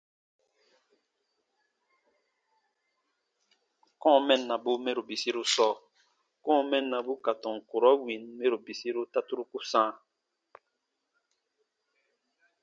Kɔ̃ɔ mɛnnabu mɛro bisiru sɔɔ : kɔ̃ɔ mɛnnabu ka tɔn kurɔ wìn mɛro bisiru ta turuku sãa.